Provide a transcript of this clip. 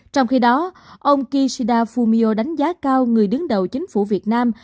trong khi đó ông kishida fumio đánh giá cao người đứng đầu chính phủ việt nam